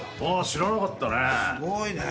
知らなかったね。